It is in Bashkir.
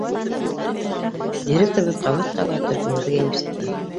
Директорыбыҙ ҡабат-ҡабат төркөмөбөҙгә инеп сыҡты.